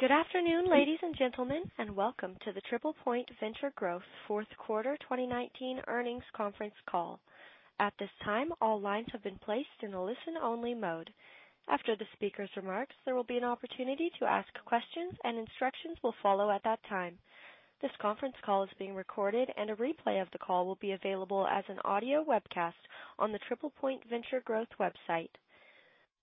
Good afternoon, ladies and gentlemen, and welcome to the TriplePoint Venture Growth fourth quarter 2019 earnings conference call. At this time, all lines have been placed in a listen-only mode. After the speaker's remarks, there will be an opportunity to ask questions, and instructions will follow at that time. This conference call is being recorded and a replay of the call will be available as an audio webcast on the TriplePoint Venture Growth website.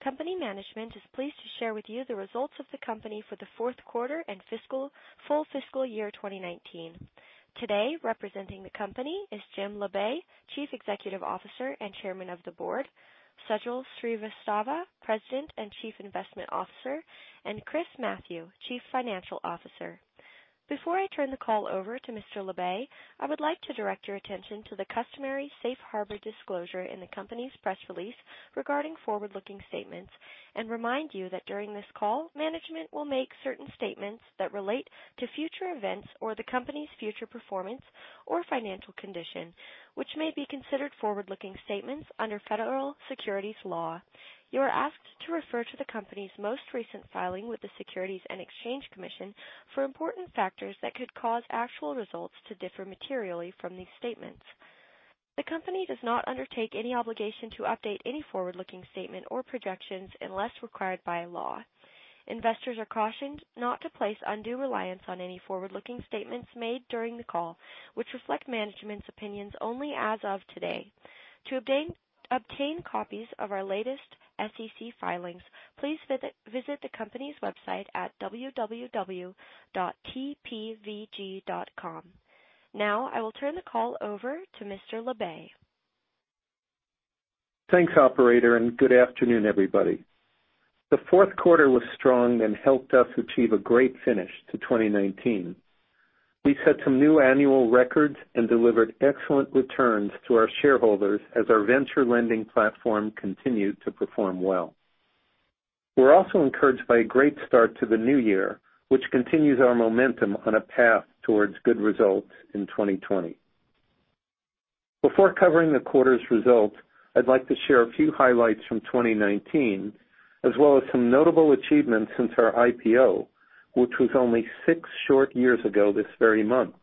Company management is pleased to share with you the results of the company for the fourth quarter and full fiscal year 2019. Today, representing the company is Jim Labe, Chief Executive Officer and Chairman of the Board, Sajal Srivastava, President and Chief Investment Officer, and Chris Mathieu, Chief Financial Officer. Before I turn the call over to Mr. Labe, I would like to direct your attention to the customary safe harbor disclosure in the company's press release regarding forward-looking statements and remind you that during this call, management will make certain statements that relate to future events or the company's future performance or financial condition, which may be considered forward-looking statements under federal securities law. You are asked to refer to the company's most recent filing with the Securities and Exchange Commission for important factors that could cause actual results to differ materially from these statements. The company does not undertake any obligation to update any forward-looking statement or projections unless required by law. Investors are cautioned not to place undue reliance on any forward-looking statements made during the call, which reflect management's opinions only as of today. To obtain copies of our latest SEC filings, please visit the company's website at www.tpvg.com. Now, I will turn the call over to Mr. Labe. Thanks, operator. Good afternoon, everybody. The fourth quarter was strong and helped us achieve a great finish to 2019. We set some new annual records and delivered excellent returns to our shareholders as our venture lending platform continued to perform well. We're also encouraged by a great start to the new year, which continues our momentum on a path towards good results in 2020. Before covering the quarter's results, I'd like to share a few highlights from 2019, as well as some notable achievements since our IPO, which was only six short years ago this very month.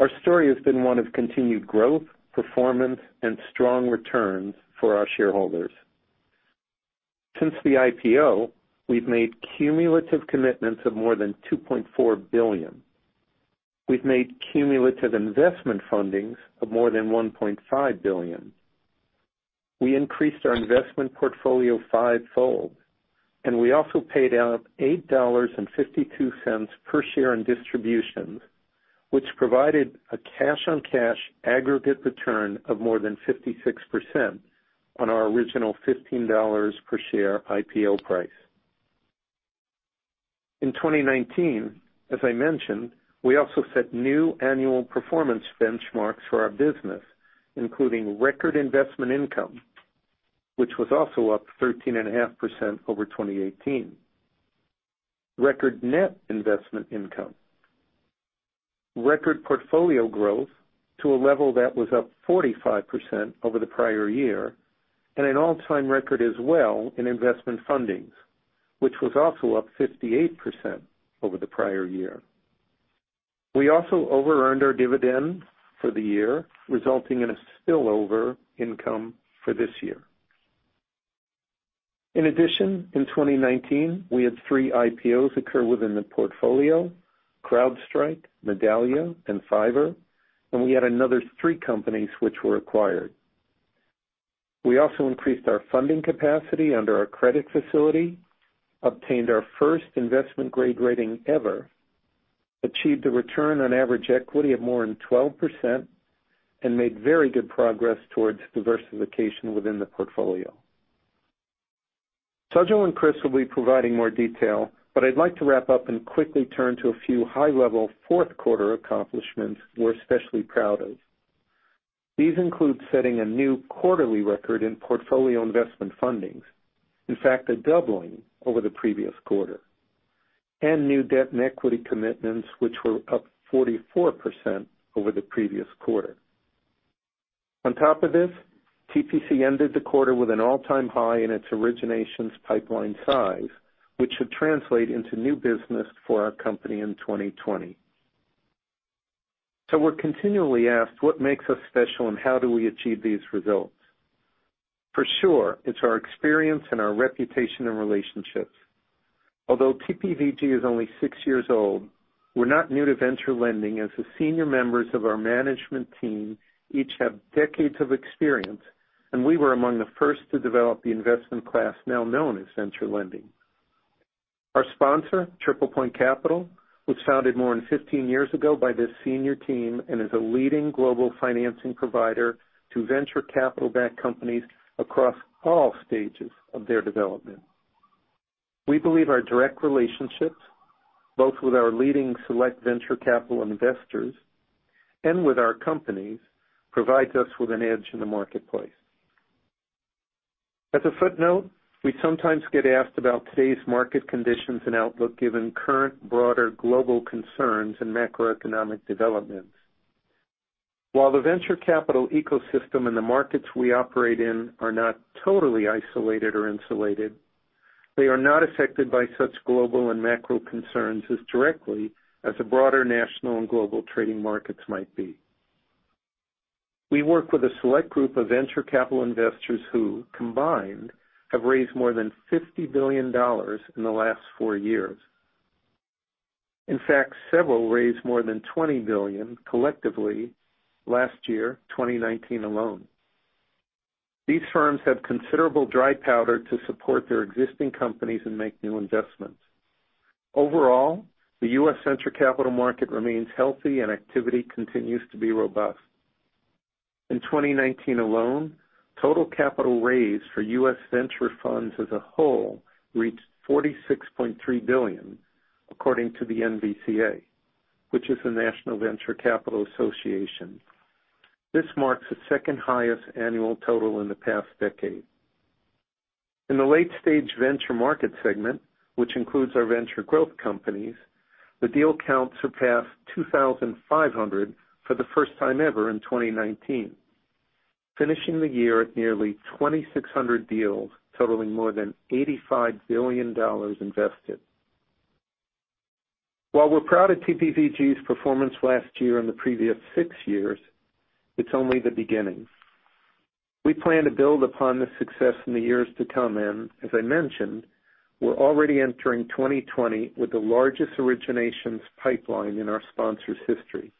Our story has been one of continued growth, performance, and strong returns for our shareholders. Since the IPO, we've made cumulative commitments of more than $2.4 billion. We've made cumulative investment fundings of more than $1.5 billion. We increased our investment portfolio fivefold, and we also paid out $8.52 per share in distributions, which provided a cash-on-cash aggregate return of more than 56% on our original $15 per share IPO price. In 2019, as I mentioned, we also set new annual performance benchmarks for our business, including record investment income, which was also up 13.5% over 2018, record net investment income, record portfolio growth to a level that was up 45% over the prior year, and an all-time record as well in investment fundings, which was also up 58% over the prior year. We also over-earned our dividend for the year, resulting in a spillover income for this year. In addition, in 2019, we had three IPOs occur within the portfolio, CrowdStrike, Medallia, and Fiverr, and we had another three companies which were acquired. We also increased our funding capacity under our credit facility, obtained our first investment-grade rating ever, achieved a return on average equity of more than 12%, and made very good progress towards diversification within the portfolio. Sajal and Chris will be providing more detail, but I'd like to wrap up and quickly turn to a few high-level fourth quarter accomplishments we're especially proud of. These include setting a new quarterly record in portfolio investment fundings, in fact, a doubling over the previous quarter, and new debt and equity commitments, which were up 44% over the previous quarter. On top of this, TPC ended the quarter with an all-time high in its originations pipeline size, which should translate into new business for our company in 2020. We're continually asked what makes us special and how do we achieve these results. For sure, it's our experience and our reputation and relationships. Although TPVG is only six years old, we're not new to venture lending, as the senior members of our management team each have decades of experience, and we were among the first to develop the investment class now known as venture lending. Our sponsor, TriplePoint Capital, was founded more than 15 years ago by this senior team and is a leading global financing provider to venture capital-backed companies across all stages of their development. We believe our direct relationships, both with our leading select venture capital investors and with our companies, provides us with an edge in the marketplace. As a footnote, we sometimes get asked about today's market conditions and outlook, given current broader global concerns and macroeconomic developments. While the venture capital ecosystem and the markets we operate in are not totally isolated or insulated, they are not affected by such global and macro concerns as directly as the broader national and global trading markets might be. We work with a select group of venture capital investors who, combined, have raised more than $50 billion in the last four years. In fact, several raised more than $20 billion collectively last year, 2019 alone. These firms have considerable dry powder to support their existing companies and make new investments. Overall, the U.S. venture capital market remains healthy and activity continues to be robust. In 2019 alone, total capital raised for U.S. venture funds as a whole reached $46.3 billion, according to the NVCA, which is the National Venture Capital Association. This marks the second highest annual total in the past decade. In the late stage venture market segment, which includes our venture growth companies, the deal count surpassed 2,500 for the first time ever in 2019, finishing the year at nearly 2,600 deals totaling more than $85 billion invested. While we're proud of TPVG's performance last year and the previous six years, it's only the beginning. We plan to build upon this success in the years to come, and as I mentioned, we're already entering 2020 with the largest originations pipeline in our sponsor's history.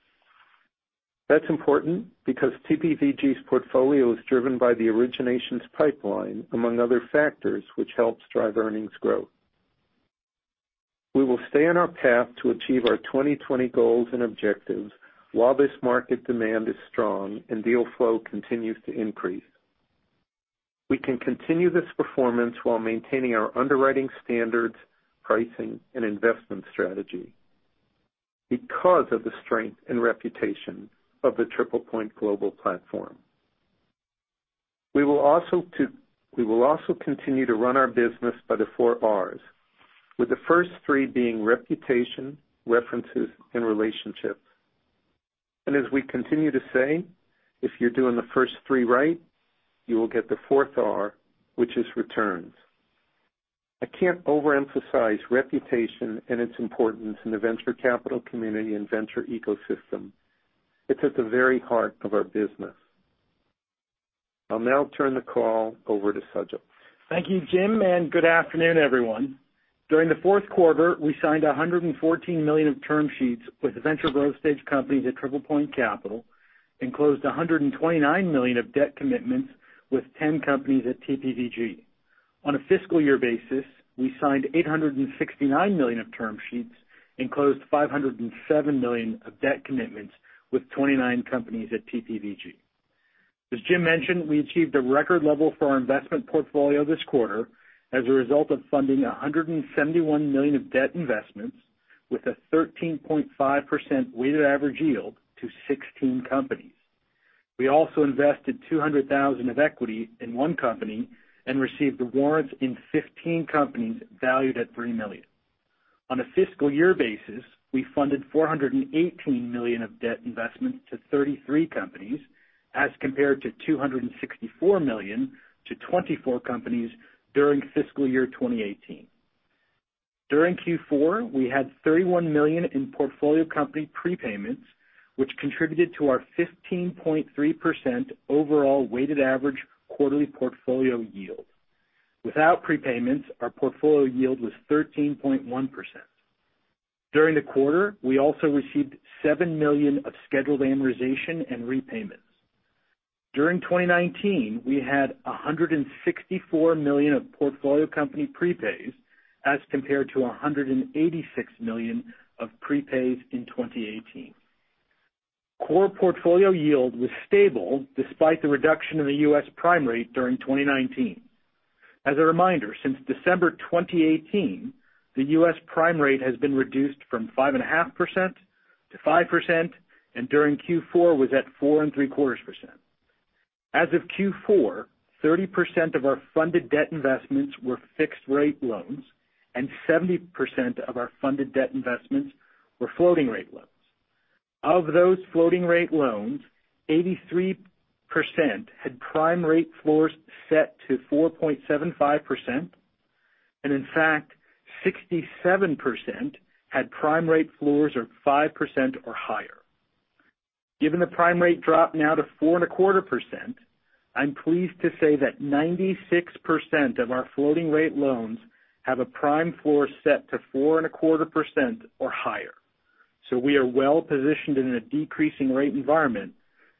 That's important because TPVG's portfolio is driven by the originations pipeline, among other factors, which helps drive earnings growth. We will stay on our path to achieve our 2020 goals and objectives while this market demand is strong and deal flow continues to increase. We can continue this performance while maintaining our underwriting standards, pricing, and investment strategy because of the strength and reputation of the TriplePoint global platform. As we continue to say, if you're doing the first three right, you will get the fourth R, which is returns. I can't overemphasize reputation and its importance in the venture capital community and venture ecosystem. It's at the very heart of our business. I'll now turn the call over to Sajal. Thank you, Jim, and good afternoon, everyone. During the fourth quarter, we signed $114 million of term sheets with venture growth stage companies at TriplePoint Capital and closed $129 million of debt commitments with 10 companies at TPVG. On a fiscal year basis, we signed $869 million of term sheets and closed $507 million of debt commitments with 29 companies at TPVG. As Jim mentioned, we achieved a record level for our investment portfolio this quarter as a result of funding $171 million of debt investments with a 13.5% weighted average yield to 16 companies. We also invested $200,000 of equity in one company and received the warrants in 15 companies valued at $3 million. On a fiscal year basis, we funded $418 million of debt investments to 33 companies as compared to $264 million to 24 companies during fiscal year 2018. During Q4, we had $31 million in portfolio company prepayments, which contributed to our 15.3% overall weighted average quarterly portfolio yield. Without prepayments, our portfolio yield was 13.1%. During the quarter, we also received $7 million of scheduled amortization and repayments. During 2019, we had $164 million of portfolio company prepays as compared to $186 million of prepays in 2018. Core portfolio yield was stable despite the reduction in the U.S. prime rate during 2019. As a reminder, since December 2018, the U.S. prime rate has been reduced from 5.5% to 5%, and during Q4 was at 4.75%. As of Q4, 30% of our funded debt investments were fixed rate loans, and 70% of our funded debt investments were floating rate loans. Of those floating rate loans, 83% had prime rate floors set to 4.75%, in fact, 67% had prime rate floors of 5% or higher. Given the prime rate drop now to 4.25%, I'm pleased to say that 96% of our floating rate loans have a prime floor set to 4.25% or higher. We are well-positioned in a decreasing rate environment,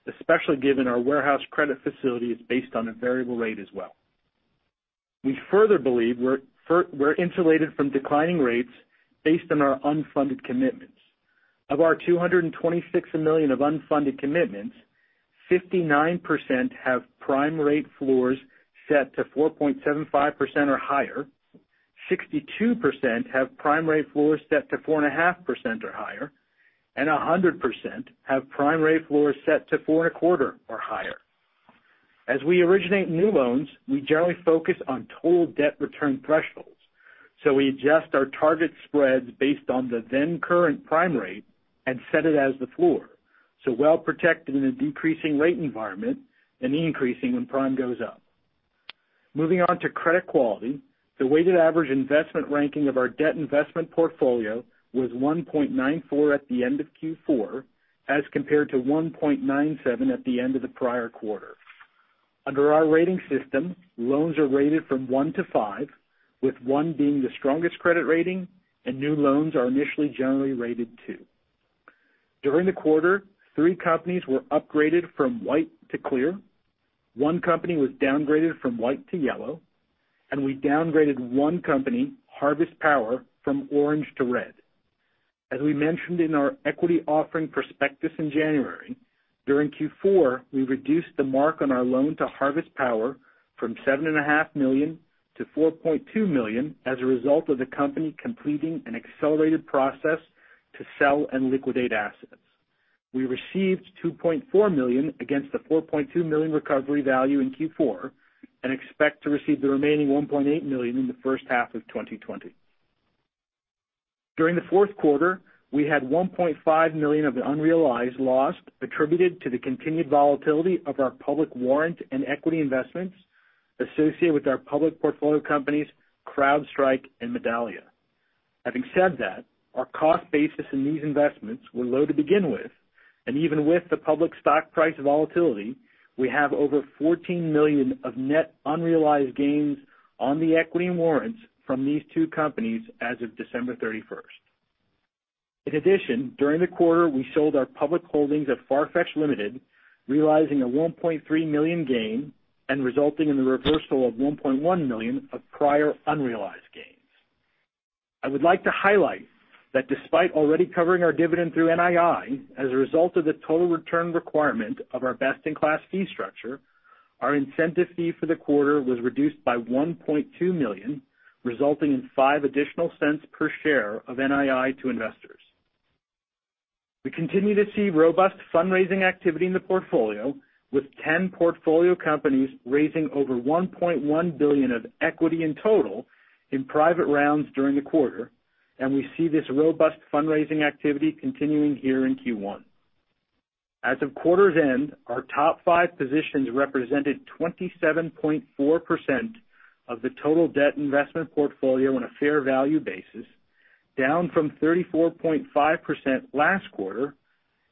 especially given our warehouse credit facility is based on a variable rate as well. We further believe we're insulated from declining rates based on our unfunded commitments. Of our $226 million of unfunded commitments, 59% have prime rate floors set to 4.75% or higher, 62% have prime rate floors set to four and a half percent or higher, and 100% have prime rate floors set to four and a quarter or higher. As we originate new loans, we generally focus on total debt return thresholds. We adjust our target spreads based on the then current prime rate and set it as the floor, so well-protected in a decreasing rate environment and increasing when prime goes up. Moving on to credit quality, the weighted average investment ranking of our debt investment portfolio was 1.94 at the end of Q4, as compared to 1.97 at the end of the prior quarter. Under our rating system, loans are rated from one to five, with one being the strongest credit rating. New loans are initially generally rated two. During the quarter, three companies were upgraded from white to clear, one company was downgraded from white to yellow. We downgraded one company, Harvest Power, from orange to red. As we mentioned in our equity offering prospectus in January, during Q4, we reduced the mark on our loan to Harvest Power from seven and a half million to $4.2 million as a result of the company completing an accelerated process to sell and liquidate assets. We received $2.4 million against the $4.2 million recovery value in Q4 and expect to receive the remaining $1.8 million in the first half of 2020. During the fourth quarter, we had $1.5 million of unrealized loss attributed to the continued volatility of our public warrant and equity investments associated with our public portfolio companies, CrowdStrike and Medallia. Having said that, our cost basis in these investments were low to begin with, and even with the public stock price volatility, we have over $14 million of net unrealized gains on the equity and warrants from these two companies as of December 31st. In addition, during the quarter, we sold our public holdings at Farfetch Limited, realizing a $1.3 million gain and resulting in the reversal of $1.1 million of prior unrealized gains. I would like to highlight that despite already covering our dividend through NII as a result of the total return requirement of our best-in-class fee structure, our incentive fee for the quarter was reduced by $1.2 million, resulting in $0.05 per share of NII to investors. We continue to see robust fundraising activity in the portfolio, with 10 portfolio companies raising over $1.1 billion of equity in total in private rounds during the quarter, and we see this robust fundraising activity continuing here in Q1. As of quarter's end, our top five positions represented 27.4% of the total debt investment portfolio on a fair value basis, down from 34.5% last quarter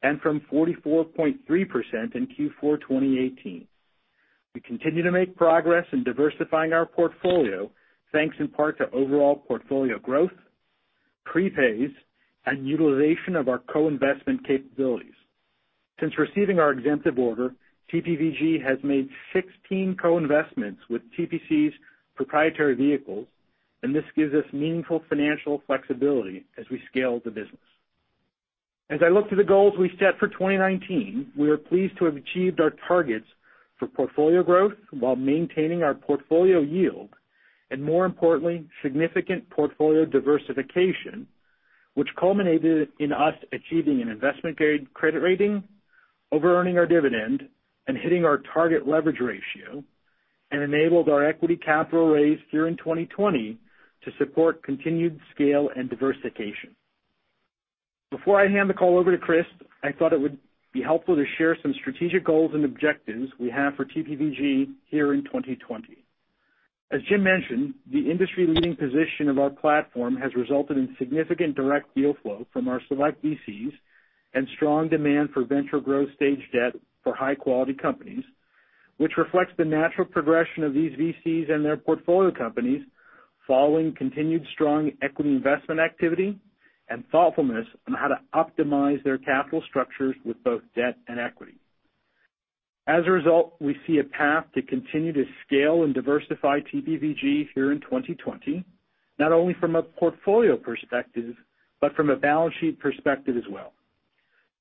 and from 44.3% in Q4 2018. We continue to make progress in diversifying our portfolio, thanks in part to overall portfolio growth, prepays, and utilization of our co-investment capabilities. Since receiving our exemptive order, TPVG has made 16 co-investments with TPC's proprietary vehicles, this gives us meaningful financial flexibility as we scale the business. As I look to the goals we set for 2019, we are pleased to have achieved our targets for portfolio growth while maintaining our portfolio yield, and more importantly, significant portfolio diversification, which culminated in us achieving an investment-grade credit rating, overearning our dividend, and hitting our target leverage ratio and enabled our equity capital raise here in 2020 to support continued scale and diversification. Before I hand the call over to Chris, I thought it would be helpful to share some strategic goals and objectives we have for TPVG here in 2020. As Jim mentioned, the industry-leading position of our platform has resulted in significant direct deal flow from our select VCs and strong demand for venture growth stage debt for high-quality companies, which reflects the natural progression of these VCs and their portfolio companies following continued strong equity investment activity and thoughtfulness on how to optimize their capital structures with both debt and equity. As a result, we see a path to continue to scale and diversify TPVG here in 2020, not only from a portfolio perspective, but from a balance sheet perspective as well.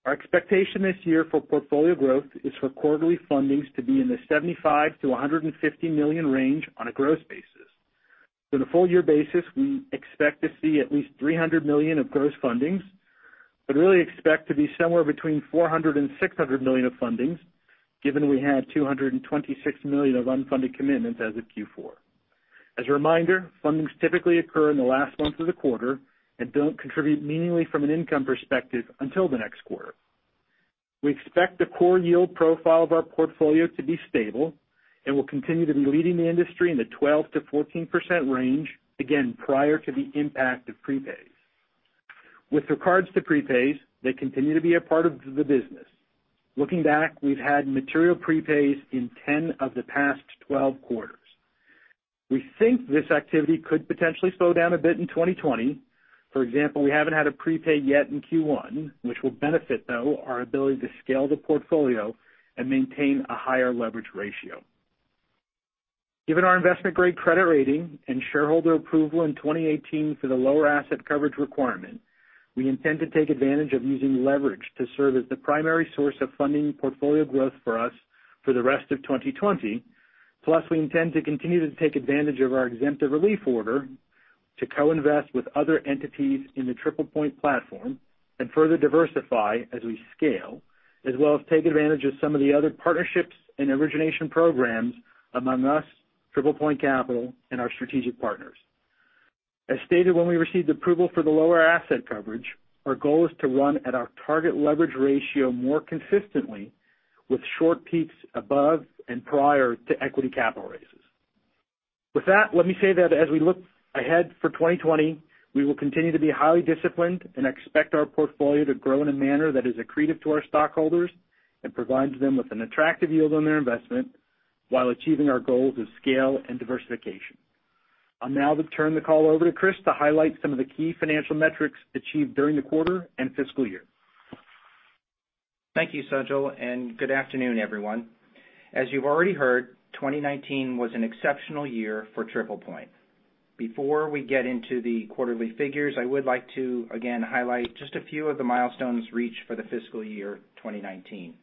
Our expectation this year for portfolio growth is for quarterly fundings to be in the $75 million-$150 million range on a gross basis. On a full year basis, we expect to see at least $300 million of gross fundings, but really expect to be somewhere between $400 million and $600 million of fundings, given we had $226 million of unfunded commitments as of Q4. As a reminder, fundings typically occur in the last month of the quarter and don't contribute meaningfully from an income perspective until the next quarter. We expect the core yield profile of our portfolio to be stable and will continue to be leading the industry in the 12%-14% range, again, prior to the impact of prepays. With regards to prepays, they continue to be a part of the business. Looking back, we've had material prepays in 10 of the past 12 quarters. We think this activity could potentially slow down a bit in 2020. For example, we haven't had a prepay yet in Q1, which will benefit though our ability to scale the portfolio and maintain a higher leverage ratio. Given our investment-grade credit rating and shareholder approval in 2018 for the lower asset coverage requirement, we intend to take advantage of using leverage to serve as the primary source of funding portfolio growth for us for the rest of 2020. We intend to continue to take advantage of our exemptive relief order to co-invest with other entities in the TriplePoint platform and further diversify as we scale, as well as take advantage of some of the other partnerships and origination programs among us, TriplePoint Capital, and our strategic partners. As stated when we received approval for the lower asset coverage, our goal is to run at our target leverage ratio more consistently with short peaks above and prior to equity capital raises. With that, let me say that as we look ahead for 2020, we will continue to be highly disciplined and expect our portfolio to grow in a manner that is accretive to our stockholders and provides them with an attractive yield on their investment while achieving our goals of scale and diversification. I'll now turn the call over to Chris to highlight some of the key financial metrics achieved during the quarter and fiscal year. Thank you, Sajal, good afternoon, everyone. As you've already heard, 2019 was an exceptional year for TriplePoint. Before we get into the quarterly figures, I would like to, again, highlight just a few of the milestones reached for the fiscal year 2019.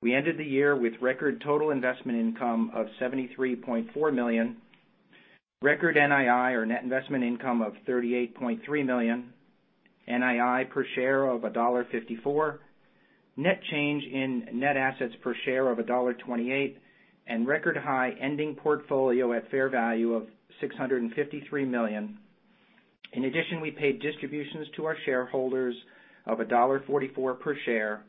We ended the year with record total investment income of $73.4 million, record NII or net investment income of $38.3 million, NII per share of $1.54, net change in net assets per share of $1.28, and record high ending portfolio at fair value of $653 million. In addition, we paid distributions to our shareholders of $1.44 per share,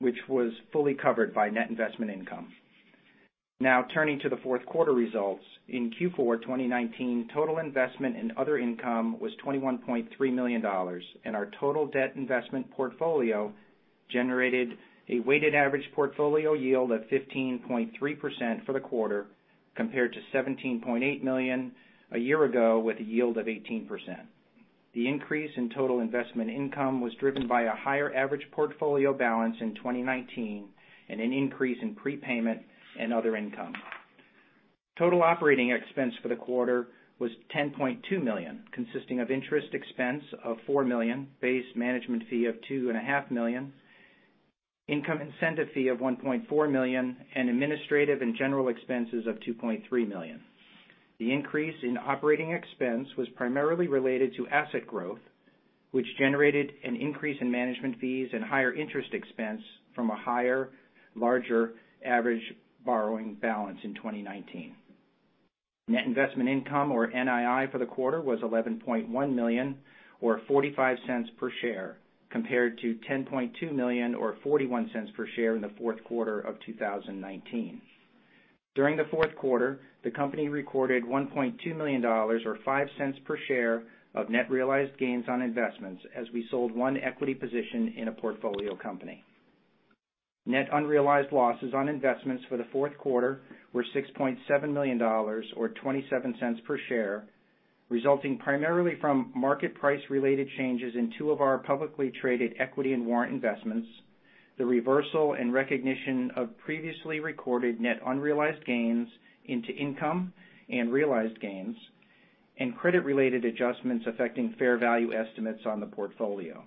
which was fully covered by net investment income. Now turning to the fourth quarter results. In Q4 2019, total investment and other income was $21.3 million, and our total debt investment portfolio generated a weighted average portfolio yield of 15.3% for the quarter, compared to $17.8 million a year ago with a yield of 18%. The increase in total investment income was driven by a higher average portfolio balance in 2019 and an increase in prepayment and other income. Total operating expense for the quarter was $10.2 million, consisting of interest expense of $4 million, base management fee of $2.5 million, income incentive fee of $1.4 million, and administrative and general expenses of $2.3 million. The increase in operating expense was primarily related to asset growth, which generated an increase in management fees and higher interest expense from a higher, larger average borrowing balance in 2019. Net investment income or NII for the quarter was $11.1 million or $0.45 per share compared to $10.2 million or $0.41 per share in the fourth quarter of 2019. During the fourth quarter, the company recorded $1.2 million or $0.05 per share of net realized gains on investments as we sold one equity position in a portfolio company. Net unrealized losses on investments for the fourth quarter were $6.7 million or $0.27 per share, resulting primarily from market price related changes in two of our publicly traded equity and warrant investments, the reversal and recognition of previously recorded net unrealized gains into income and realized gains, and credit related adjustments affecting fair value estimates on the portfolio.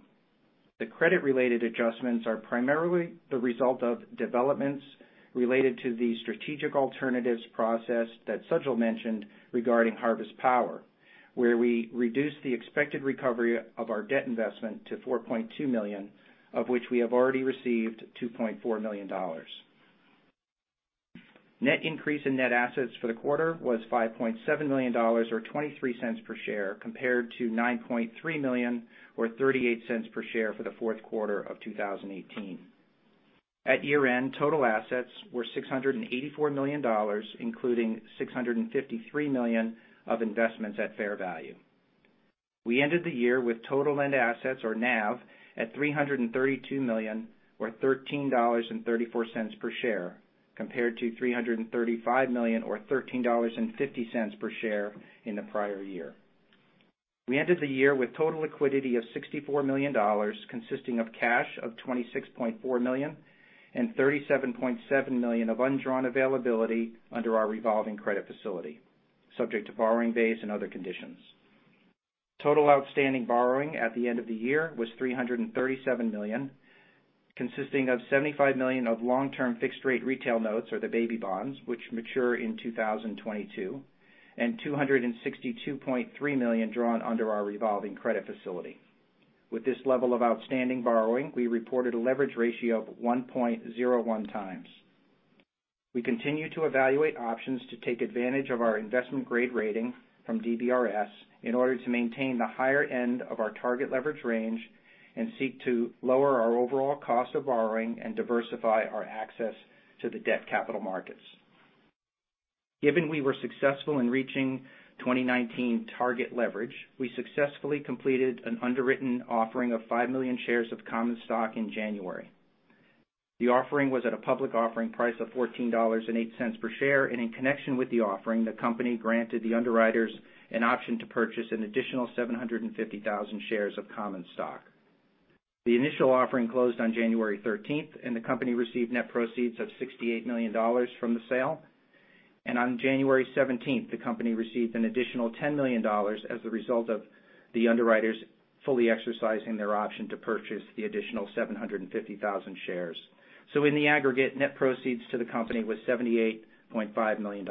The credit related adjustments are primarily the result of developments related to the strategic alternatives process that Sajal mentioned regarding Harvest Power, where we reduced the expected recovery of our debt investment to $4.2 million, of which we have already received $2.4 million. Net increase in net assets for the quarter was $5.7 million or $0.23 per share compared to $9.3 million or $0.38 per share for the fourth quarter of 2018. At year end, total assets were $684 million, including $653 million of investments at fair value. We ended the year with total net assets or NAV at $332 million or $13.34 per share compared to $335 million or $13.50 per share in the prior year. We ended the year with total liquidity of $64 million consisting of cash of $26.4 million and $37.7 million of undrawn availability under our revolving credit facility, subject to borrowing base and other conditions. Total outstanding borrowing at the end of the year was $337 million, consisting of $75 million of long term fixed rate retail notes or the baby bonds which mature in 2022, and $262.3 million drawn under our revolving credit facility. With this level of outstanding borrowing, we reported a leverage ratio of 1.01x. We continue to evaluate options to take advantage of our investment-grade rating from DBRS in order to maintain the higher end of our target leverage range and seek to lower our overall cost of borrowing and diversify our access to the debt capital markets. Given we were successful in reaching 2019 target leverage, we successfully completed an underwritten offering of 5 million shares of common stock in January. The offering was at a public offering price of $14.08 per share, and in connection with the offering, the company granted the underwriters an option to purchase an additional 750,000 shares of common stock. The initial offering closed on January 13th, and the company received net proceeds of $68 million from the sale. On January 17th, the company received an additional $10 million as a result of the underwriters fully exercising their option to purchase the additional 750,000 shares. In the aggregate, net proceeds to the company was $78.5 million.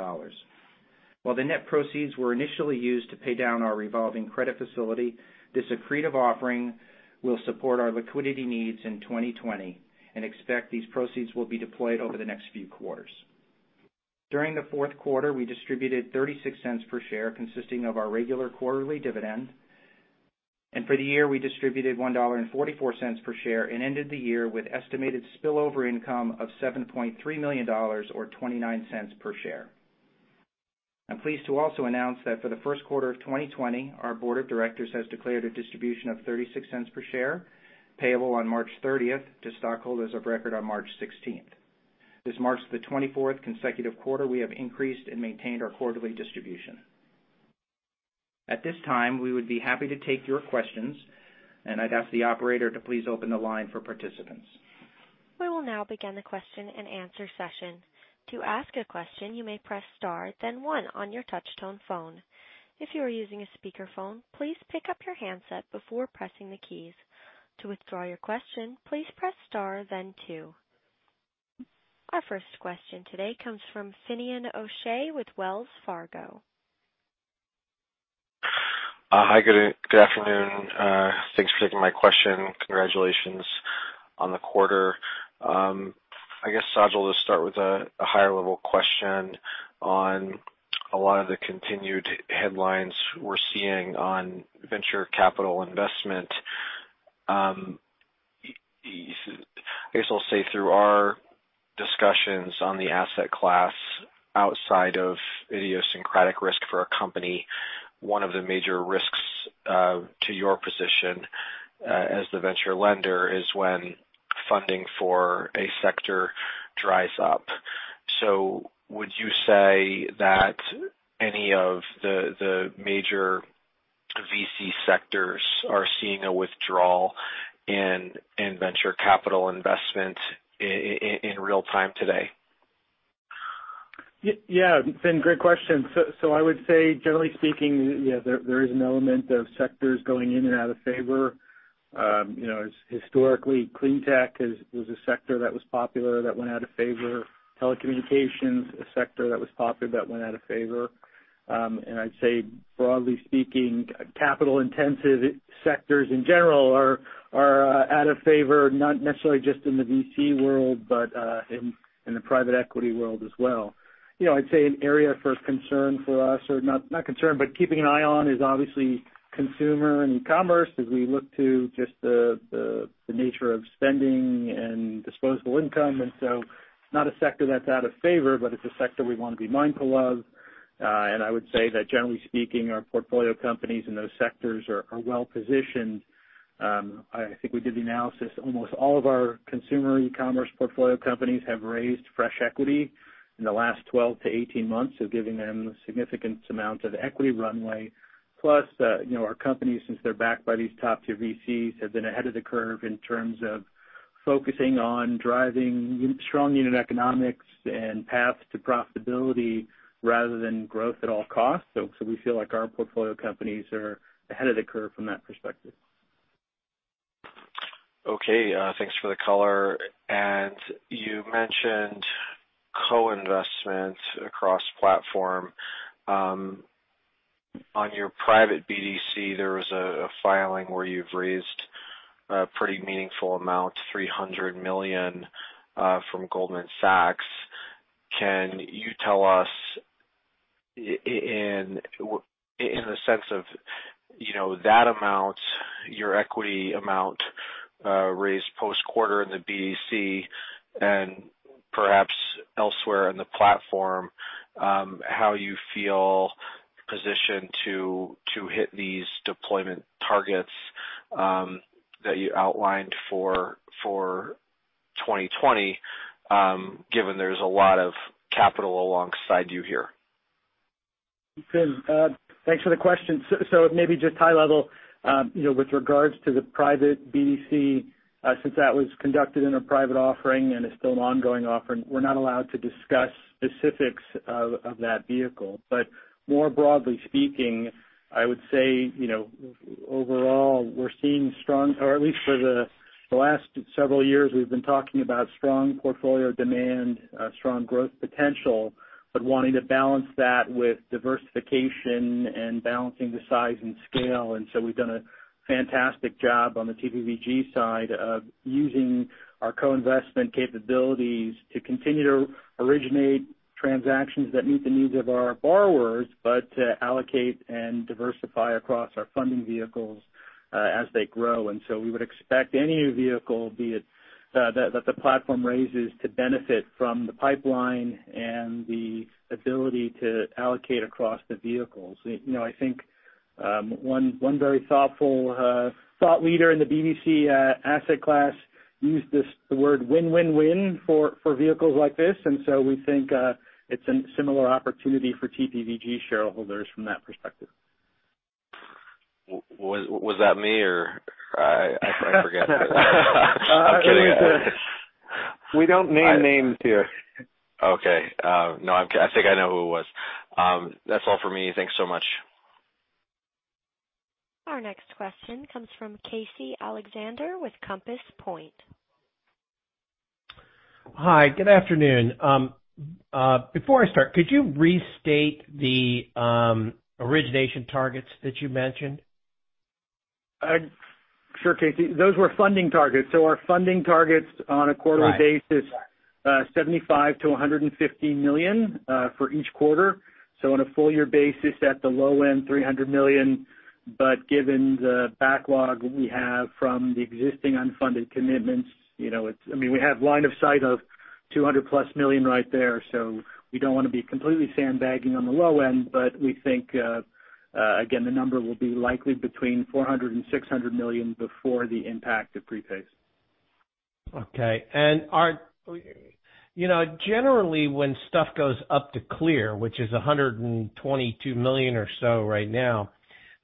While the net proceeds were initially used to pay down our revolving credit facility, this accretive offering will support our liquidity needs in 2020 and expect these proceeds will be deployed over the next few quarters. During the fourth quarter, we distributed $0.36 per share, consisting of our regular quarterly dividend. For the year, we distributed $1.44 per share and ended the year with estimated spillover income of $7.3 million, or $0.29 per share. I'm pleased to also announce that for the first quarter of 2020, our board of directors has declared a distribution of $0.36 per share, payable on March 30th to stockholders of record on March 16th. This marks the 24th consecutive quarter we have increased and maintained our quarterly distribution. At this time, we would be happy to take your questions, and I'd ask the operator to please open the line for participants. We will now begin the question and answer session. To ask a question, you may press star then one on your touch-tone phone. If you are using a speakerphone, please pick up your handset before pressing the keys. To withdraw your question, please press star then two. Our first question today comes from Finian O'Shea with Wells Fargo. Hi, good afternoon. Thanks for taking my question. Congratulations on the quarter. I guess, Saj, I'll just start with a higher level question on a lot of the continued headlines we're seeing on venture capital investment. I guess I'll say through our discussions on the asset class, outside of idiosyncratic risk for a company, one of the major risks to your position as the venture lender is when funding for a sector dries up. Would you say that any of the major VC sectors are seeing a withdrawal in venture capital investment in real-time today? Fin, great question. I would say, generally speaking, there is an element of sectors going in and out of favor. Historically, clean tech was a sector that was popular that went out of favor. Telecommunications, a sector that was popular that went out of favor. I'd say, broadly speaking, capital-intensive sectors in general are out of favor, not necessarily just in the VC world, but in the private equity world as well. I'd say an area for concern for us or not concern, but keeping an eye on is obviously consumer and e-commerce as we look to just the nature of spending and disposable income. Not a sector that's out of favor, but it's a sector we want to be mindful of. I would say that generally speaking, our portfolio companies in those sectors are well-positioned. I think we did the analysis. Almost all of our consumer e-commerce portfolio companies have raised fresh equity in the last 12-18 months, giving them a significant amount of equity runway. Our companies, since they're backed by these top tier VCs, have been ahead of the curve in terms of focusing on driving strong unit economics and paths to profitability rather than growth at all costs. We feel like our portfolio companies are ahead of the curve from that perspective. Okay, thanks for the color. You mentioned co-investment across platform. On your private BDC, there was a filing where you've raised a pretty meaningful amount, $300 million from Goldman Sachs. Can you tell us in the sense of that amount, your equity amount raised post-quarter in the BDC and perhaps elsewhere in the platform, how you feel positioned to hit these deployment targets that you outlined for 2020 given there's a lot of capital alongside you here? Fin, thanks for the question. Maybe just high level, with regards to the private BDC, since that was conducted in a private offering and is still an ongoing offering, we're not allowed to discuss specifics of that vehicle. More broadly speaking, I would say overall, we're seeing strong, or at least for the last several years, we've been talking about strong portfolio demand, strong growth potential, but wanting to balance that with diversification and balancing the size and scale. We've done a fantastic job on the TPVG side of using our co-investment capabilities to continue to originate transactions that meet the needs of our borrowers, but to allocate and diversify across our funding vehicles as they grow. We would expect any new vehicle, be it that the platform raises to benefit from the pipeline and the ability to allocate across the vehicles. I think one very thoughtful thought leader in the BDC asset class used the word win-win-win for vehicles like this, and so we think it's a similar opportunity for TPVG shareholders from that perspective. Was that me or I forget? I'm kidding. We don't name names here. Okay. No, I think I know who it was. That's all for me. Thanks so much. Our next question comes from Casey Alexander with Compass Point. Hi, good afternoon. Before I start, could you restate the origination targets that you mentioned? Sure, Casey. Those were funding targets. Our funding targets on a quarterly basis. Right $75 million-$150 million for each quarter. On a full year basis at the low end, $300 million. Given the backlog we have from the existing unfunded commitments, we have line of sight of $200+ million right there. We don't want to be completely sandbagging on the low end. We think, again, the number will be likely between $400 million-$600 million before the impact of prepays. Okay. Generally when stuff goes up to clear, which is $122 million or so right now,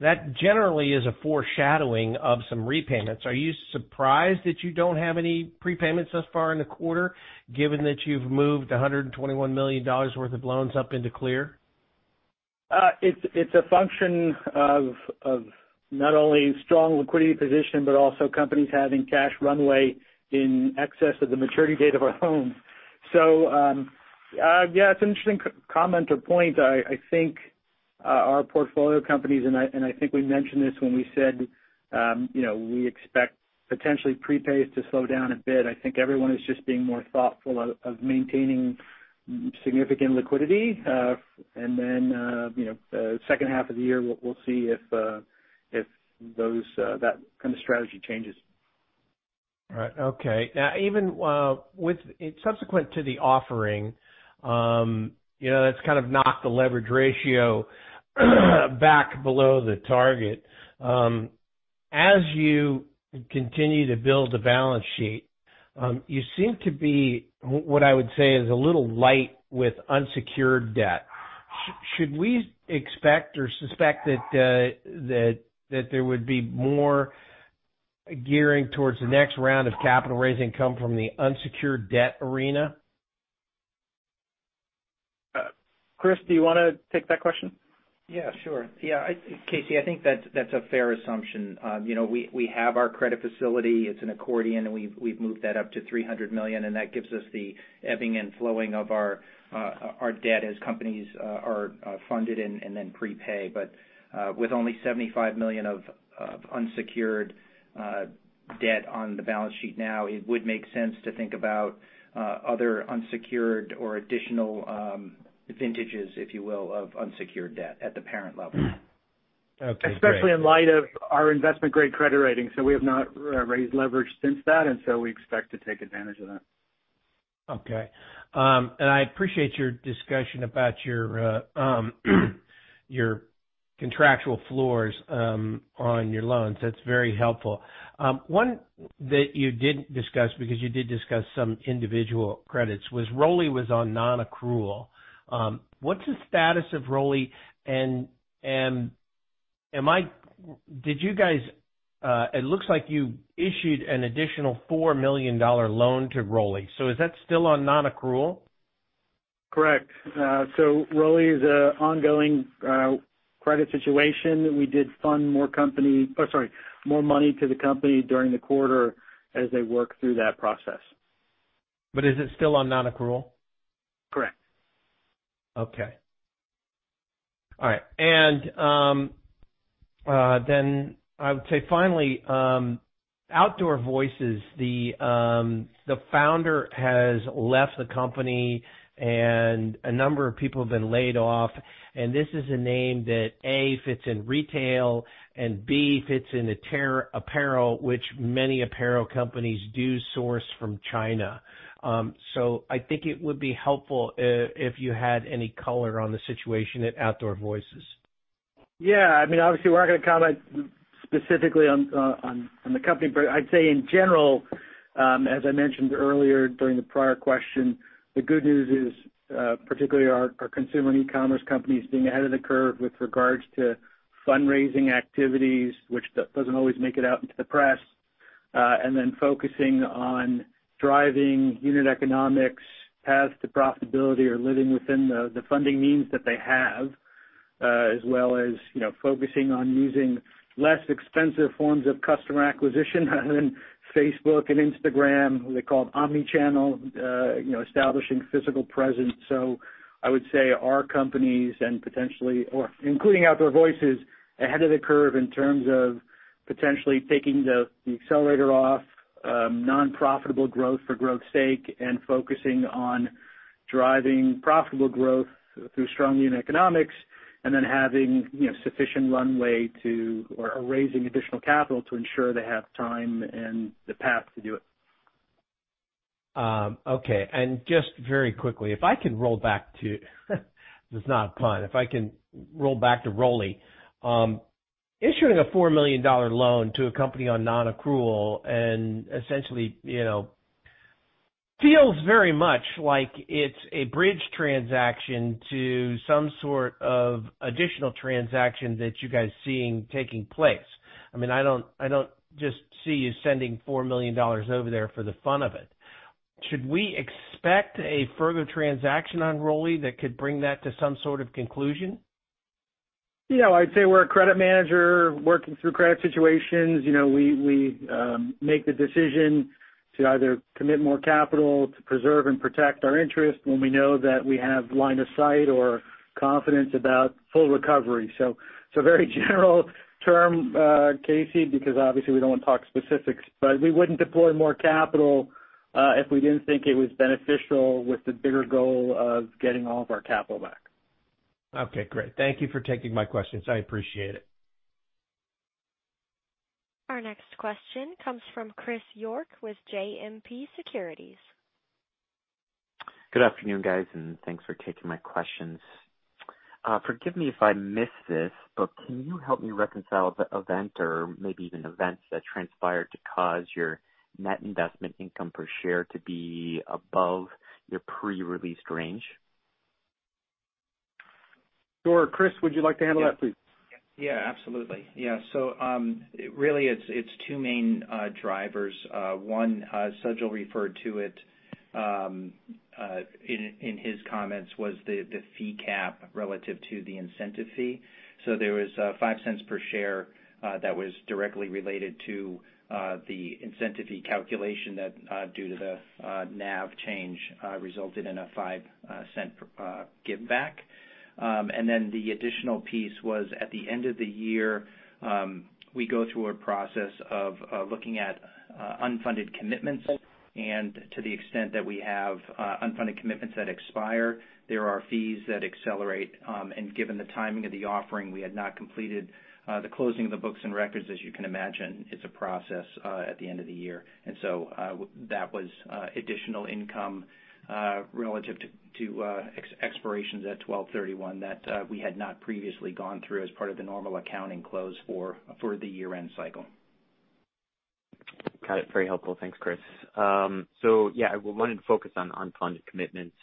that generally is a foreshadowing of some repayments. Are you surprised that you don't have any prepayments thus far in the quarter, given that you've moved $121 million worth of loans up into clear? It's a function of not only strong liquidity position, but also companies having cash runway in excess of the maturity date of our loans. Yeah, it's an interesting comment or point. I think our portfolio companies, and I think we mentioned this when we said we expect potentially prepays to slow down a bit. I think everyone is just being more thoughtful of maintaining significant liquidity. Second half of the year, we'll see if that kind of strategy changes. Right. Okay. Even subsequent to the offering that's kind of knocked the leverage ratio back below the target. As you continue to build the balance sheet, you seem to be, what I would say, is a little light with unsecured debt. Should we expect or suspect that there would be more gearing towards the next round of capital raising come from the unsecured debt arena? Chris, do you want to take that question? Yeah, sure. Casey, I think that's a fair assumption. We have our credit facility. It's an accordion, and we've moved that up to $300 million, and that gives us the ebbing and flowing of our debt as companies are funded and then prepay. With only $75 million of unsecured debt on the balance sheet now, it would make sense to think about other unsecured or additional vintages, if you will, of unsecured debt at the parent level. Okay, great. Especially in light of our investment-grade credit rating. We have not raised leverage since that, and so we expect to take advantage of that. Okay. I appreciate your discussion about your contractual floors on your loans. That's very helpful. One that you didn't discuss, because you did discuss some individual credits, was Rolli was on non-accrual. What's the status of Rolli? It looks like you issued an additional $4 million loan to Rolli. Is that still on non-accrual? Correct. Rolli is an ongoing credit situation. We did fund more money to the company during the quarter as they work through that process. Is it still on non-accrual? Correct. Okay. All right. I would say finally, Outdoor Voices, the founder has left the company and a number of people have been laid off. This is a name that, A, fits in retail, and B, fits into apparel, which many apparel companies do source from China. I think it would be helpful if you had any color on the situation at Outdoor Voices. Yeah. Obviously, we're not going to comment specifically on the company. I'd say in general, as I mentioned earlier during the prior question, the good news is particularly our consumer and e-commerce companies being ahead of the curve with regards to fundraising activities, which doesn't always make it out into the press. Focusing on driving unit economics, paths to profitability, or living within the funding means that they have. As well as focusing on using less expensive forms of customer acquisition other than Facebook and Instagram. They call it omni-channel, establishing physical presence. I would say our companies and potentially, or including Outdoor Voices, ahead of the curve in terms of potentially taking the accelerator off non-profitable growth for growth's sake and focusing on driving profitable growth through strong unit economics. Having sufficient runway to or raising additional capital to ensure they have time and the path to do it. Okay. Just very quickly, if I can roll back to. This is not fun. If I can roll back to Rolli, issuing a $4 million loan to a company on non-accrual and Feels very much like it's a bridge transaction to some sort of additional transaction that you guys seeing taking place. I don't just see you sending $4 million over there for the fun of it. Should we expect a further transaction on Rolli that could bring that to some sort of conclusion? Yeah. I'd say we're a credit manager working through credit situations. We make the decision to either commit more capital to preserve and protect our interest when we know that we have line of sight or confidence about full recovery. Very general term, Casey, because obviously we don't want to talk specifics, but we wouldn't deploy more capital, if we didn't think it was beneficial with the bigger goal of getting all of our capital back. Okay, great. Thank you for taking my questions. I appreciate it. Our next question comes from Chris York with JMP Securities. Good afternoon, guys, and thanks for taking my questions. Forgive me if I missed this, but can you help me reconcile the event or maybe even events that transpired to cause your net investment income per share to be above your pre-release range? Sure. Chris, would you like to handle that, please? Yeah, absolutely. Really, it's two main drivers. One, Sajal referred to it in his comments was the fee cap relative to the incentive fee. There was $0.05 per share that was directly related to the incentive fee calculation that, due to the NAV change, resulted in a $0.05 giveback. The additional piece was, at the end of the year, we go through a process of looking at unfunded commitments. To the extent that we have unfunded commitments that expire, there are fees that accelerate. Given the timing of the offering, we had not completed the closing of the books and records. As you can imagine, it's a process at the end of the year. That was additional income relative to expirations at 12/31 that we had not previously gone through as part of the normal accounting close for the year-end cycle. Got it. Very helpful. Thanks, Chris. Yeah, I wanted to focus on unfunded commitments.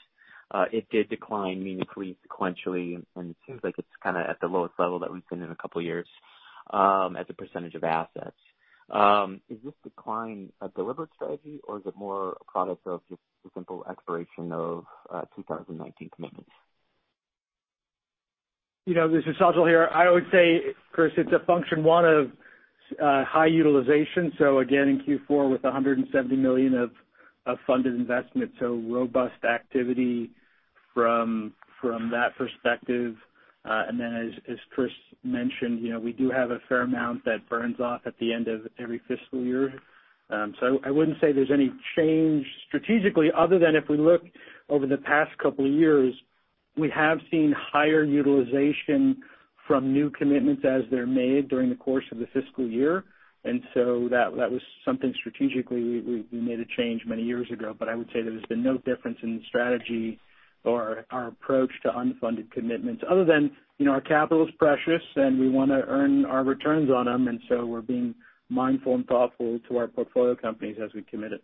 It did decline meaningfully sequentially, and it seems like it's kind of at the lowest level that we've seen in a couple of years as a % of assets. Is this decline a deliberate strategy or is it more a product of just the simple expiration of 2019 commitments? This is Sajal here. I would say, Chris, it's a function, one of high utilization. Again, in Q4 with $170 million of funded investments, robust activity from that perspective. As Chris mentioned, we do have a fair amount that burns off at the end of every fiscal year. I wouldn't say there's any change strategically other than if we look over the past couple of years, we have seen higher utilization from new commitments as they're made during the course of the fiscal year. That was something strategically we made a change many years ago. I would say there's been no difference in strategy or our approach to unfunded commitments other than our capital is precious and we want to earn our returns on them. We're being mindful and thoughtful to our portfolio companies as we commit it.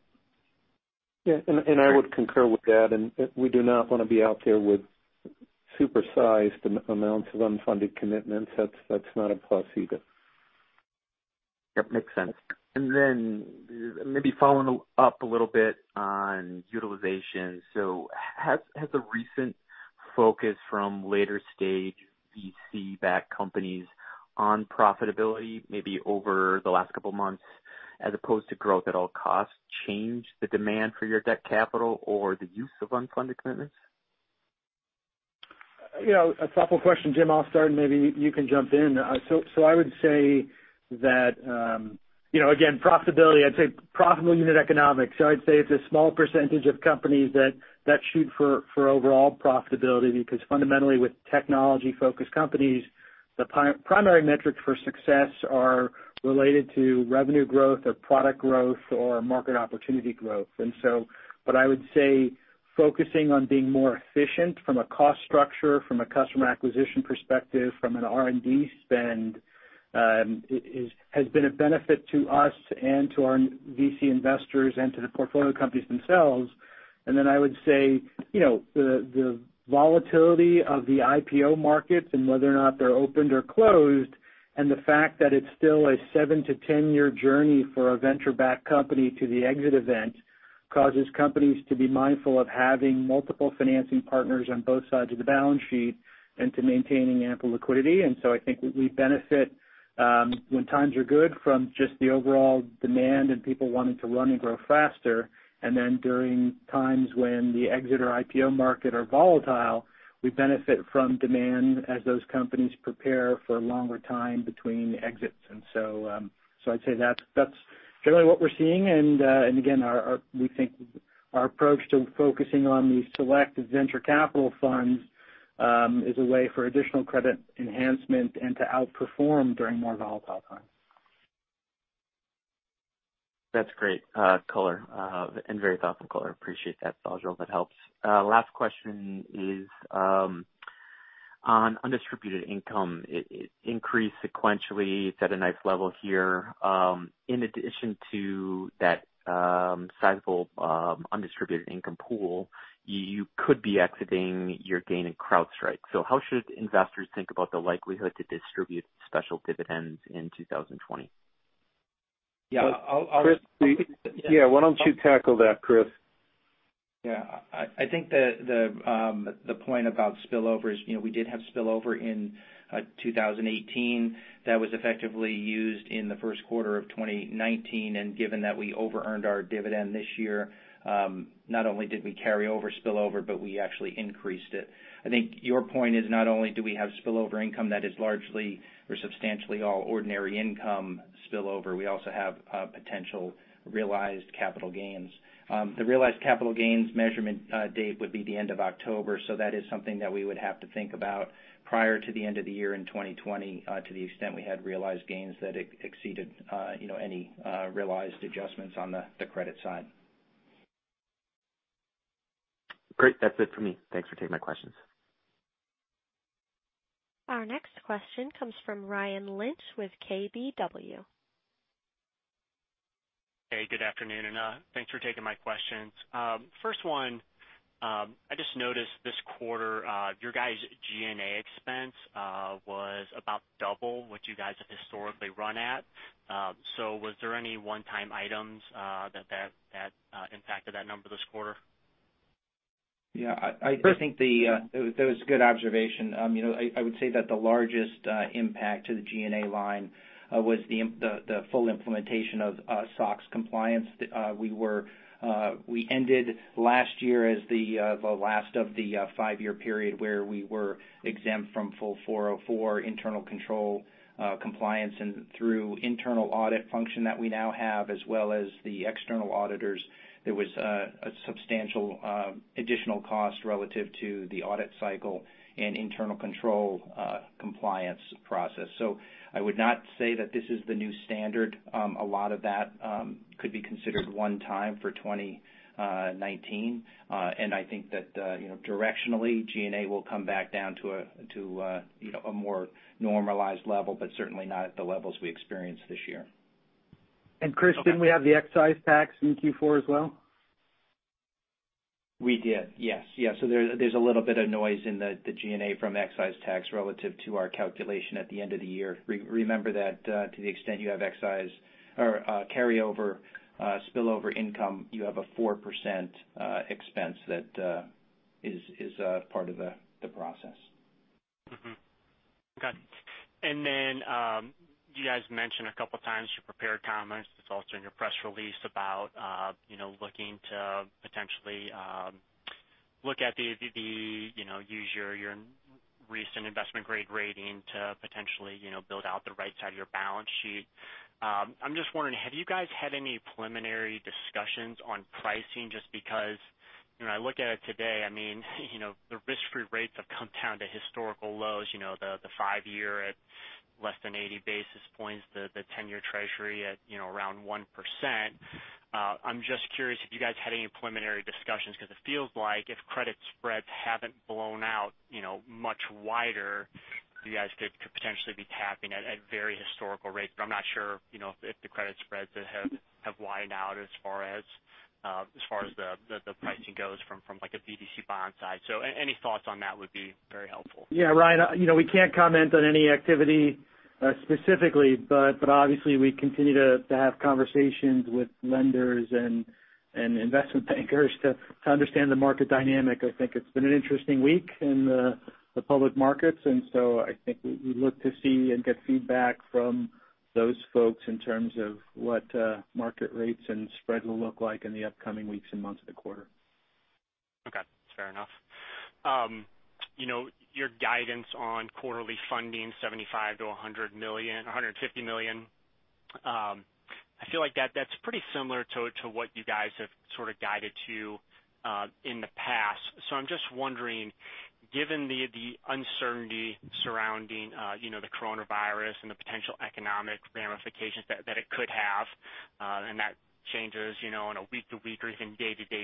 Yeah. I would concur with that. We do not want to be out there with supersized amounts of unfunded commitments. That's not a plus either. Yep, makes sense. Maybe following up a little bit on utilization. Has the recent focus from later stage VC-backed companies on profitability, maybe over the last couple of months as opposed to growth at all costs, changed the demand for your debt capital or the use of unfunded commitments? A thoughtful question, Jim. I'll start and maybe you can jump in. I would say that, again, profitability, I'd say profitable unit economics. I'd say it's a small percentage of companies that shoot for overall profitability. Fundamentally with technology-focused companies, the primary metrics for success are related to revenue growth or product growth or market opportunity growth. I would say focusing on being more efficient from a cost structure, from a customer acquisition perspective, from an R&D spend has been a benefit to us and to our VC investors and to the portfolio companies themselves. I would say the volatility of the IPO markets and whether or not they're opened or closed, and the fact that it's still a seven to 10-year journey for a venture-backed company to the exit event causes companies to be mindful of having multiple financing partners on both sides of the balance sheet and to maintaining ample liquidity. I think we benefit, when times are good from just the overall demand and people wanting to run and grow faster. During times when the exit or IPO market are volatile, we benefit from demand as those companies prepare for a longer time between exits. I'd say that's generally what we're seeing. Again, we think our approach to focusing on these selected venture capital funds is a way for additional credit enhancement and to outperform during more volatile times. That's great color and very thoughtful color. Appreciate that, Sajal. That helps. Last question is on undistributed income, it increased sequentially. It's at a nice level here. In addition to that sizable undistributed income pool, you could be exiting your gain in CrowdStrike. How should investors think about the likelihood to distribute special dividends in 2020? Yeah. Chris, Yeah, why don't you tackle that, Chris? Yeah. I think the point about spillovers, we did have spillover in 2018 that was effectively used in the first quarter of 2019, and given that we over-earned our dividend this year, not only did we carry over spillover, but we actually increased it. I think your point is not only do we have spillover income that is largely or substantially all ordinary income spillover, we also have potential realized capital gains. The realized capital gains measurement date would be the end of October. That is something that we would have to think about prior to the end of the year in 2020 to the extent we had realized gains that exceeded any realized adjustments on the credit side. Great. That's it for me. Thanks for taking my questions. Our next question comes from Ryan Lynch with KBW. Hey, good afternoon. Thanks for taking my questions. First one, I just noticed this quarter, your guys' G&A expense was about double what you guys have historically run at. Was there any one-time items that impacted that number this quarter? Yeah. I think that was a good observation. I would say that the largest impact to the G&A line was the full implementation of SOX compliance. We ended last year as the last of the five-year period where we were exempt from full 404 internal control compliance. Through internal audit function that we now have, as well as the external auditors, there was a substantial additional cost relative to the audit cycle and internal control compliance process. I would not say that this is the new standard. A lot of that could be considered one time for 2019. I think that directionally, G&A will come back down to a more normalized level, but certainly not at the levels we experienced this year. Chris, didn't we have the excise tax in Q4 as well? We did, yes. There's a little bit of noise in the G&A from excise tax relative to our calculation at the end of the year. Remember that to the extent you have excise or carryover spillover income, you have a 4% expense that is part of the process. Okay. You guys mentioned a couple of times your prepared comments. It's also in your press release about looking to potentially use your recent investment-grade rating to potentially build out the right side of your balance sheet. I'm just wondering, have you guys had any preliminary discussions on pricing just because when I look at it today, I mean, the risk-free rates have come down to historical lows, the five-year at less than 80 basis points, the 10-year treasury at around 1%. I'm just curious if you guys had any preliminary discussions because it feels like if credit spreads haven't blown out much wider, you guys could potentially be tapping at very historical rates. I'm not sure if the credit spreads have widened out as far as the pricing goes from like a BDC bond side. Any thoughts on that would be very helpful. Yeah, Ryan. We can't comment on any activity specifically, but obviously we continue to have conversations with lenders and investment bankers to understand the market dynamic. I think it's been an interesting week in the public markets. I think we look to see and get feedback from those folks in terms of what market rates and spread will look like in the upcoming weeks and months of the quarter. Okay. Fair enough. Your guidance on quarterly funding, $75 million-$150 million. I feel like that's pretty similar to what you guys have sort of guided to in the past. I'm just wondering, given the uncertainty surrounding the coronavirus and the potential economic ramifications that it could have, and that changes on a week-to-week or even day-to-day basis. I'm just wondering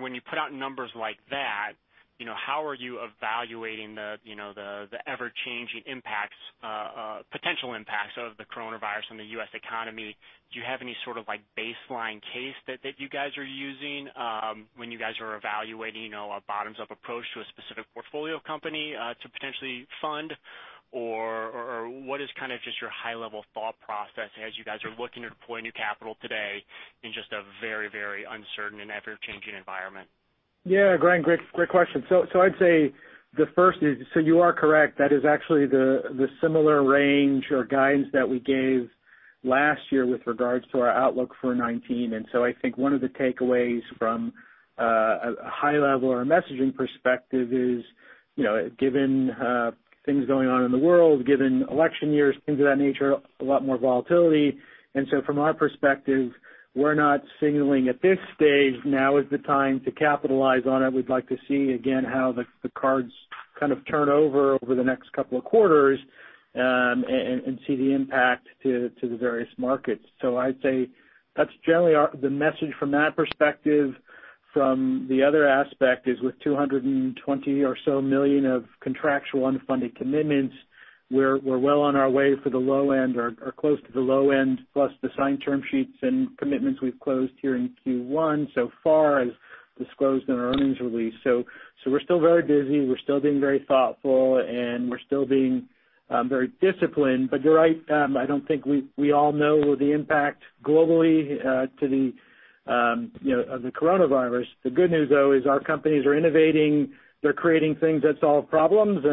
when you put out numbers like that, how are you evaluating the ever-changing potential impacts of the coronavirus on the U.S. economy? Do you have any sort of baseline case that you guys are using when you guys are evaluating a bottoms-up approach to a specific portfolio company to potentially fund? What is kind of just your high-level thought process as you guys are looking to deploy new capital today in just a very uncertain and ever-changing environment? Yeah, Ryan, great question. I'd say the first is, so you are correct. That is actually the similar range or guidance that we gave last year with regards to our outlook for 2019. I think one of the takeaways from a high level or a messaging perspective is, given things going on in the world, given election years, things of that nature, a lot more volatility. From our perspective, we're not signaling at this stage, now is the time to capitalize on it. We'd like to see again how the cards kind of turn over the next couple of quarters, and see the impact to the various markets. I'd say that's generally the message from that perspective. From the other aspect is with $220 million or so of contractual unfunded commitments, we're well on our way for the low end or close to the low end, plus the signed term sheets and commitments we've closed here in Q1 so far as disclosed in our earnings release. We're still very busy, we're still being very thoughtful, and we're still being very disciplined. You're right, I don't think we all know the impact globally of the coronavirus. The good news, though, is our companies are innovating. They're creating things that solve problems.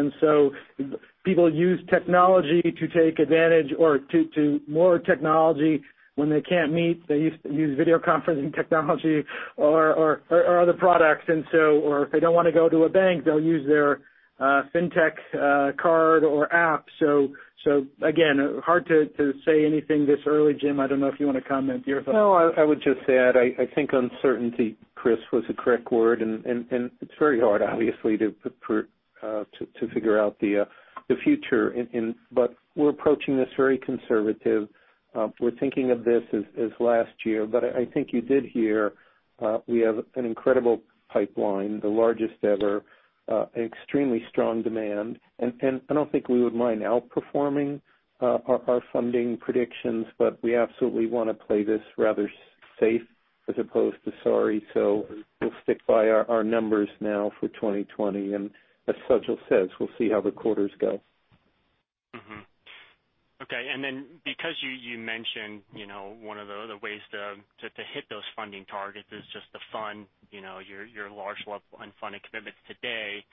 People use technology to take advantage or to more technology. When they can't meet, they use video conferencing technology or other products. If they don't want to go to a bank, they'll use their Fintech card or app. Again, hard to say anything this early. Jim, I don't know if you want to comment, your thoughts? No, I would just add, I think uncertainty, Chris, was the correct word, and it's very hard, obviously, to figure out the future. We're approaching this very conservative. We're thinking of this as last year. I think you did hear, we have an incredible pipeline, the largest ever, extremely strong demand. I don't think we would mind outperforming our funding predictions, but we absolutely want to play this rather safe as opposed to sorry. We'll stick by our numbers now for 2020. As Sajal says, we'll see how the quarters go. Mm-hmm. Okay. Because you mentioned one of the other ways to hit those funding targets is just to fund your large level unfunded commitments today.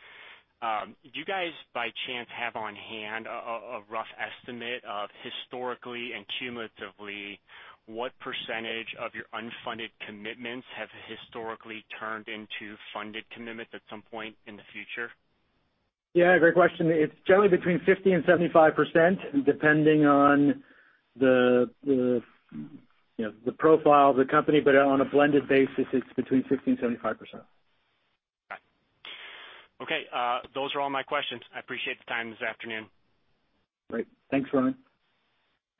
Do you guys, by chance, have on hand a rough estimate of historically and cumulatively, what % of your unfunded commitments have historically turned into funded commitments at some point in the future? Yeah, great question. It's generally between 50% and 75%, depending on the profile of the company. On a blended basis, it's between 50% and 75%. Got it. Okay. Those are all my questions. I appreciate the time this afternoon. Great. Thanks, Ryan.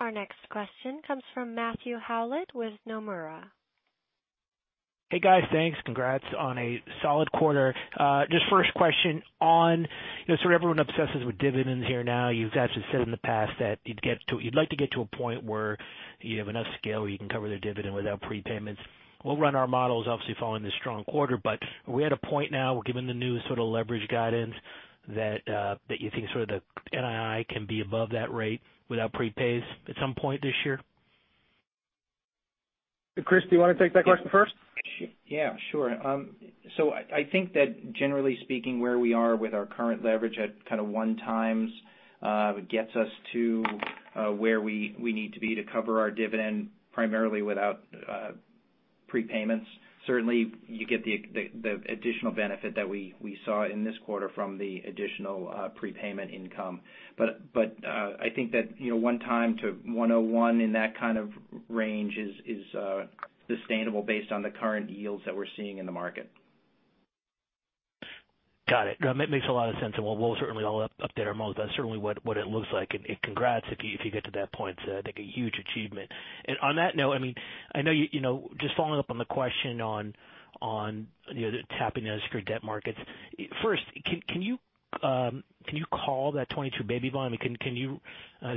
Our next question comes from Matthew Howlett with Nomura. Hey, guys. Thanks. Congrats on a solid quarter. Just first question on, sort of everyone obsesses with dividends here now. You guys have said in the past that you'd like to get to a point where you have enough scale where you can cover the dividend without prepayments. We'll run our models, obviously following this strong quarter. Are we at a point now, given the new sort of leverage guidance that you think sort of the NII can be above that rate without prepays at some point this year? Chris, do you want to take that question first? Yeah, sure. I think that generally speaking, where we are with our current leverage at kind of 1x gets us to where we need to be to cover our dividend primarily without prepayments. Certainly, you get the additional benefit that we saw in this quarter from the additional prepayment income. I think that 1x to 101 in that kind of range is sustainable based on the current yields that we're seeing in the market. Got it. That makes a lot of sense. We'll certainly all update our models. That's certainly what it looks like. Congrats if you get to that point, that'd be a huge achievement. On that note, just following up on the question on the tapping of secured debt markets. First, can you call that 2022 baby bond? Is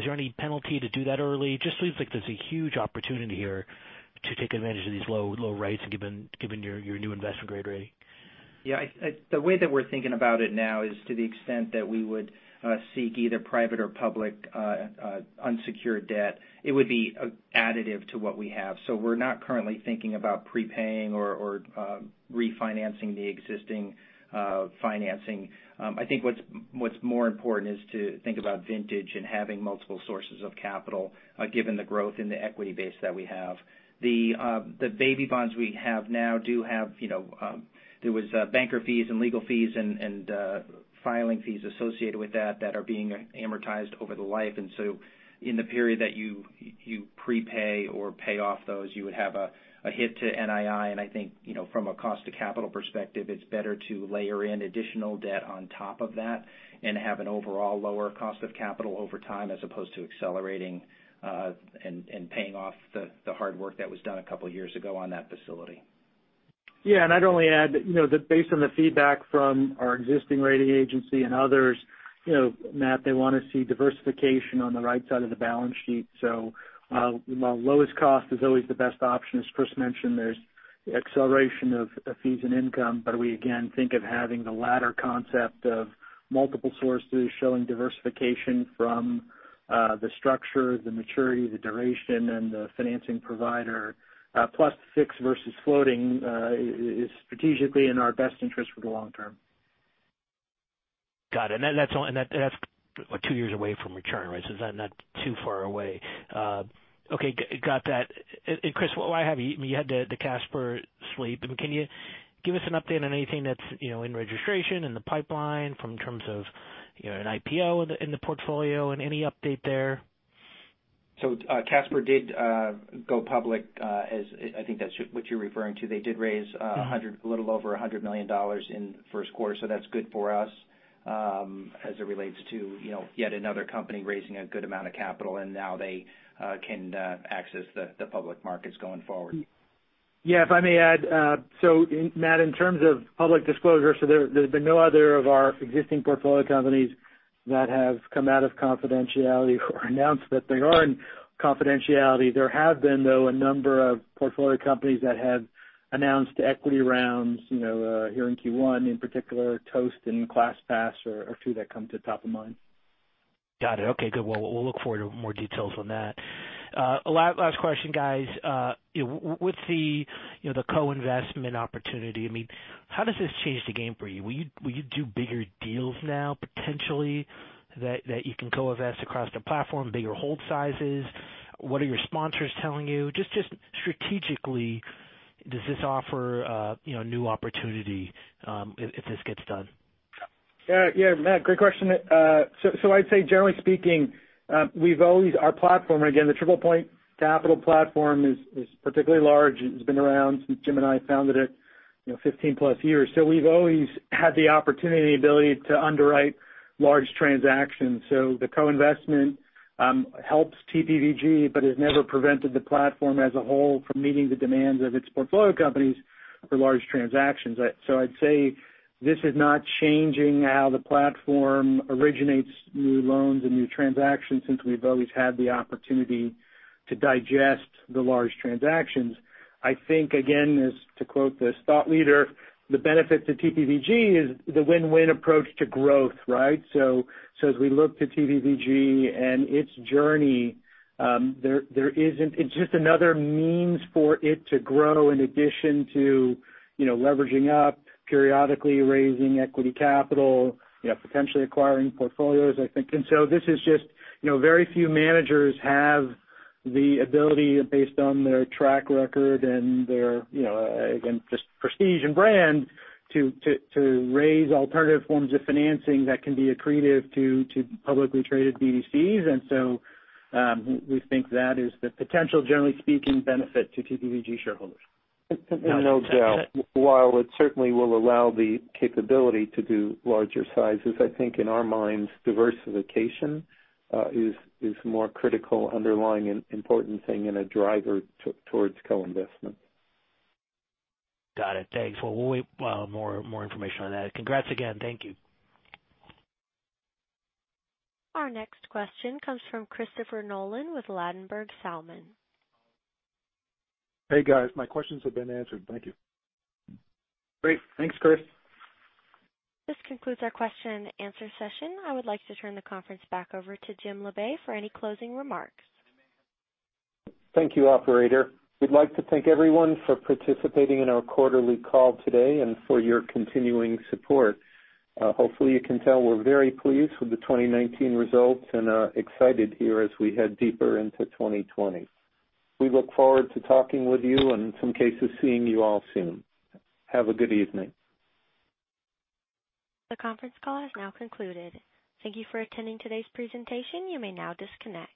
there any penalty to do that early? Just seems like there's a huge opportunity here to take advantage of these low rates given your new investment-grade rating. Yeah. The way that we're thinking about it now is to the extent that we would seek either private or public unsecured debt. It would be additive to what we have. We're not currently thinking about prepaying or refinancing the existing financing. I think what's more important is to think about vintage and having multiple sources of capital, given the growth in the equity base that we have. The baby bonds we have now, there was banker fees and legal fees and filing fees associated with that that are being amortized over the life. In the period that you prepay or pay off those, you would have a hit to NII. I think from a cost of capital perspective, it's better to layer in additional debt on top of that and have an overall lower cost of capital over time as opposed to accelerating and paying off the hard work that was done a couple of years ago on that facility. Yeah. I'd only add that based on the feedback from our existing rating agency and others, Matt, they want to see diversification on the right side of the balance sheet. While lowest cost is always the best option, as Chris mentioned, there's acceleration of fees and income. We again think of having the latter concept of multiple sources showing diversification from the structure, the maturity, the duration, and the financing provider. Plus fixed versus floating is strategically in our best interest for the long term. Got it. That's two years away from return, right? It's not too far away. Okay, got that. Chris Mathew, while I have you had the Casper suite. Can you give us an update on anything that's in registration, in the pipeline from terms of an IPO in the portfolio and any update there? Casper did go public, I think that's what you're referring to. They did raise a little over $100 million in the first quarter. That's good for us as it relates to yet another company raising a good amount of capital and now they can access the public markets going forward. If I may add, Matt, in terms of public disclosure, there's been no other of our existing portfolio companies that have come out of confidentiality or announced that they are in confidentiality. There have been, though, a number of portfolio companies that have announced equity rounds here in Q1. In particular, Toast and ClassPass are two that come to top of mind. Got it. Okay, good. Well, we'll look forward to more details on that. Last question, guys. With the co-investment opportunity, how does this change the game for you? Will you do bigger deals now, potentially, that you can co-invest across the platform, bigger hold sizes? What are your sponsors telling you? Just strategically, does this offer new opportunity if this gets done? Yeah, Matt, great question. I'd say generally speaking, our platform, again, the TriplePoint Capital platform is particularly large. It's been around since Jim and I founded it, 15+ years. The co-investment helps TPVG, but has never prevented the platform as a whole from meeting the demands of its portfolio companies for large transactions. I'd say this is not changing how the platform originates new loans and new transactions, since we've always had the opportunity to digest the large transactions. I think, again, to quote this thought leader, the benefit to TPVG is the win-win approach to growth, right? As we look to TPVG and its journey, it's just another means for it to grow in addition to leveraging up periodically, raising equity capital, potentially acquiring portfolios, I think. This is just very few managers have the ability, based on their track record and their, again, just prestige and brand, to raise alternative forms of financing that can be accretive to publicly traded BDCs. We think that is the potential, generally speaking, benefit to TPVG shareholders. No doubt. While it certainly will allow the capability to do larger sizes, I think in our minds, diversification is more critical underlying and important thing and a driver towards co-investment. Got it. Thanks. Well, we'll wait for more information on that. Congrats again. Thank you. Our next question comes from Christopher Nolan with Ladenburg Thalmann. Hey, guys, my questions have been answered. Thank you. Great. Thanks, Chris. This concludes our question and answer session. I would like to turn the conference back over to Jim Labe for any closing remarks. Thank you, operator. We'd like to thank everyone for participating in our quarterly call today and for your continuing support. Hopefully, you can tell we're very pleased with the 2019 results and are excited here as we head deeper into 2020. We look forward to talking with you, and in some cases, seeing you all soon. Have a good evening. The conference call has now concluded. Thank you for attending today's presentation. You may now disconnect.